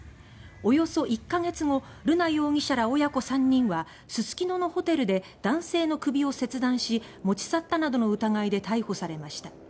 およそ１カ月後瑠奈容疑者ら親子３人はすすきののホテルで男性の首を切断し持ち去ったなどの疑いで逮捕されました。